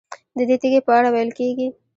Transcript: ددې تیږې په اړه ویل کېږي.